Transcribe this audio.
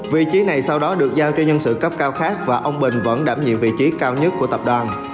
vị trí này sau đó được giao cho nhân sự cấp cao khác và ông bình vẫn đảm nhiệm vị trí cao nhất của tập đoàn